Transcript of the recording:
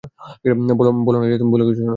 বোলো না যে তুমি ভুলে গেছ, সোনা।